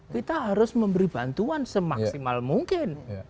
kita harus memberi bantuan semaksimal mungkin